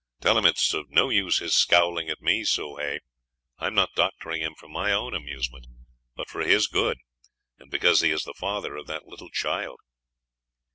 "Tell him it is of no use his scowling at me, Soh Hay. I am not doctoring him for my own amusement, but for his good, and because he is the father of that little child."